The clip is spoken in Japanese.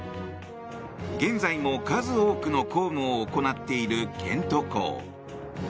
現在も数多くの公務を行っているケント公。